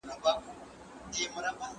دا درسونه په خپل ژوند کې پلي کړئ.